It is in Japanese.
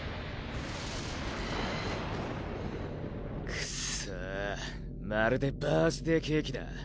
くっそまるでバースデーケーキだ。